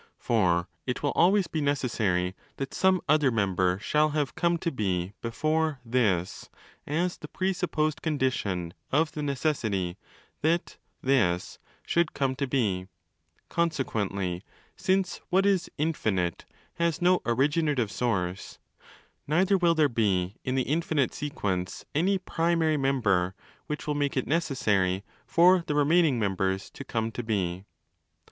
For it will always be necessary that some other? member shall have come to be before 'this' as the presupposed condition of the necessity that ' this' should come to be: consequently, since what is 'infinite' has no ' originative source', neither will there be in the infinite sequence any ' primary' member which will make it 'necessary' for the remaining members to come to be.?